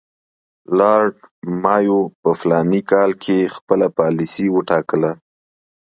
لارډ مایو په فلاني کال کې خپله پالیسي وټاکله.